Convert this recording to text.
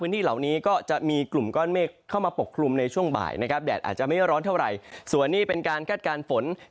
ตั้งแต่บริเวณแถวเทากาล